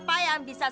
oh ini dia